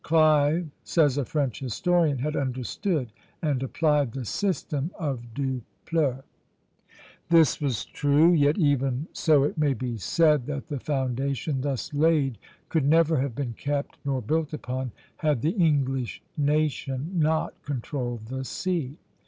"Clive," says a French historian, "had understood and applied the system of Dupleix." This was true; yet even so it may be said that the foundation thus laid could never have been kept nor built upon, had the English nation not controlled the sea.